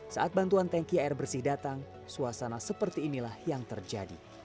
saat bantuan tanki air bersih datang suasana seperti inilah yang terjadi